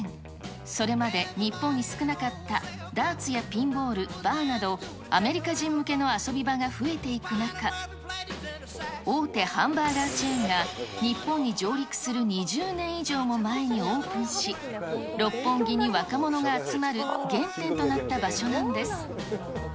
それまで日本に少なかったダーツやピンボール、バーなど、アメリカ人向けの遊び場が増えていく中、大手ハンバーガーチェーンが日本に上陸する２０年以上も前にオープンし、六本木に若者が集まる原点となった場所なんです。